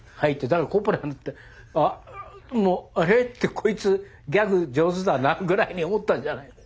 だからコッポラだって「ああれ？」って「こいつギャグ上手だな」ぐらいに思ったんじゃない？